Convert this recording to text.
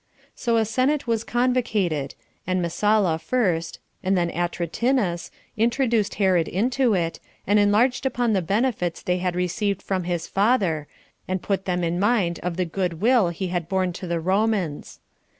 So a senate was convocated; and Messala first, and then Atratinus, introduced Herod into it, and enlarged upon the benefits they had received from his father, and put them in mind of the good will he had borne to the Romans.